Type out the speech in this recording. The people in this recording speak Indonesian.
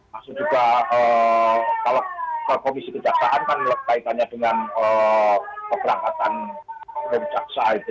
maksudnya juga kalau komisi kejaksaan kan melakukan dengan pemeriksaan kejaksaan itu